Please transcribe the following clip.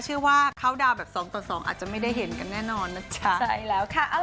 ชื่อว่าข้าวดาวแบบสองต่อสองอาจจะไม่ได้เห็นกันแน่นอนนะจ๊ะ